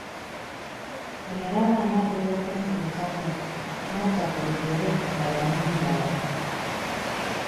Bwe yalaba anaatera okubatuukako n'atta ku bigere baleme mmulaba.